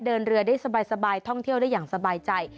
เดินเรือได้สบายท่องเที่ยวได้อย่างสบายใจ